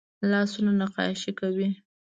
لاسونه نقاشي کوي